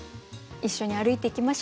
一緒に歩いていきましょう。